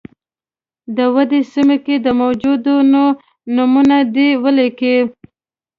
د ودې سیمو کې د موجودو ونو نومونه دې ولیکي.